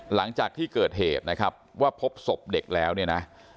หลังจากที่เกิดเหตุนะครับว่าพบศพเด็กแล้วเนี่ยนะ